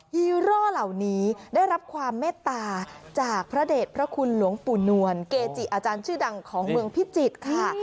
ฮีโร่เหล่านี้ได้รับความเมตตาจากพระเด็จพระคุณหลวงปู่นวลเกจิอาจารย์ชื่อดังของเมืองพิจิตรค่ะ